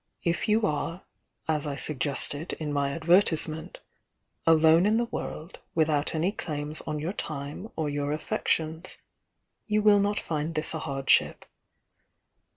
If you are, as I sug gested in my advertisement, 'alone in the world, without any claims on your time or your affections,' you will not find this a hardship.